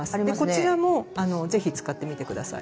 こちらもぜひ使ってみて下さい。